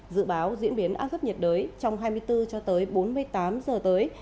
dự báo diễn biến áp thấp nhiệt đới trong hai mươi bốn cho tới bốn mươi tám giờ tới